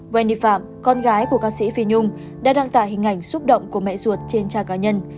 veni phạm con gái của ca sĩ phi nhung đã đăng tải hình ảnh xúc động của mẹ ruột trên trang cá nhân